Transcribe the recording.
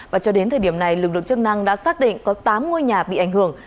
và cho đến thời điểm này lực lượng chức năng đã xác định có tám ngôi nhà bị ảnh hưởng